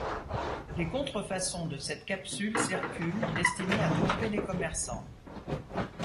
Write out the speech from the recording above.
Des contrefaçons de cette capsule circulent, destinées à tromper les commerçants.